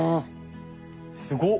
すごっ！